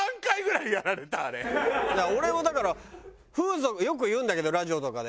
いや俺もだから風俗よく言うんだけどラジオとかで。